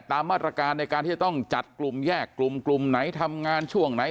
ตามมาตรการในการที่จะต้องจัดกลุ่มแยกกลุ่มกลุ่มไหนทำงานช่วงไหน